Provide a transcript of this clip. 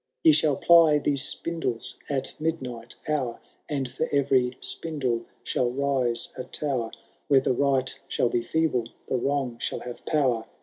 ' Ye shall ply these spindles at midnight hour. And for every spindle shall rise a tower. Where the right shall be feeble, the wrong shall have power.